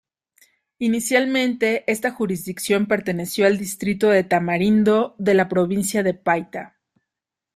Inicialmente esta jurisdicción perteneció al distrito de Tamarindo de la provincia de Paita.